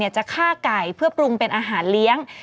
จะฆ่าไก่เพื่อปรุงเป็นอาหารเลี้ยง